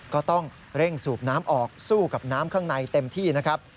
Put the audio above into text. ก็ต้องเร่งสูบน้ำออกสู้กับน้ำข้างในเต็มที่นะครับ